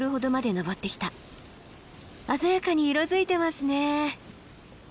鮮やかに色づいてますね。